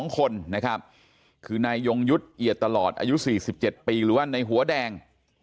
๒คนนะครับคือนายยงยุทธ์เอียดตลอดอายุ๔๗ปีหรือว่าในหัวแดง